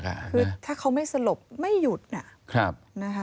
คือถ้าเขาไม่สลบไม่หยุดน่ะนะคะนะครับ